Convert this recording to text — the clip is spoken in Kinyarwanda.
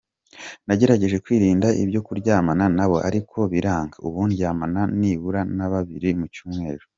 Nagerageje kwirinda ibyo kuryamana nabo, ariko biranga, ubu ndyamana nibura na babiri mu cyumweru.